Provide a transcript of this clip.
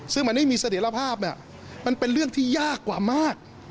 ซึ่งมันไม่มีเสถียรภาพมันเป็นเรื่องที่ยากกว่ามาก